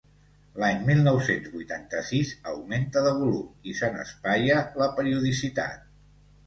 L'any mil nou-cents vuitanta-sis augmenta de volum i se n'espaia la periodicitat.